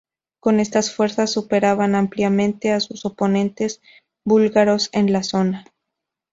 Con estas fuerzas superaban ampliamente a sus oponentes búlgaros en la zona.